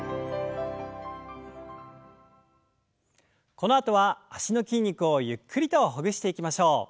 このあとは脚の筋肉をゆっくりとほぐしていきましょう。